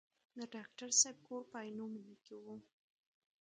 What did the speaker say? د ډاکټر صاحب کور په عینومېنه کې و.